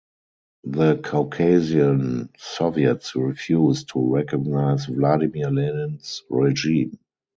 The Caucasian soviets refused to recognize Vladimir Lenin's regime.